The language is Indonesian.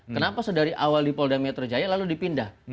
kenapa sedari awal di polda metro jaya lalu dipindah